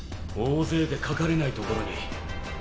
大勢でかかれない所に。